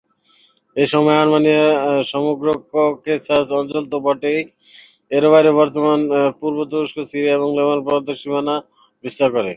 এসময় আর্মেনিয়া সমগ্র ককেসাস অঞ্চল তো বটেই, এরও বাইরে বর্তমান পূর্ব তুরস্ক, সিরিয়া এবং লেবানন পর্যন্ত সীমানা বিস্তার করে।